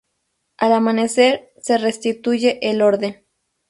Al amanecer se restituye el orden.